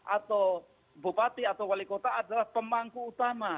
atau bupati atau wali kota adalah pemangku utama